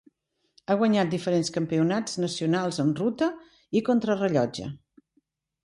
Ha guanyat diferents campionats nacionals en ruta i contrarellotge.